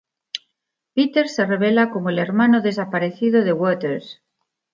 Peter se revela como el hermano desaparecido de Waters.